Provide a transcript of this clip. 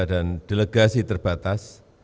dan delegasi terbatas